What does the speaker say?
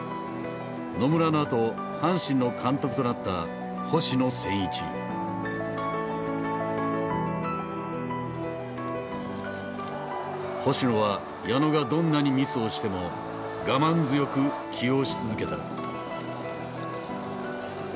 野村のあと阪神の監督となった星野は矢野がどんなにミスをしても我慢強く起用し続けた。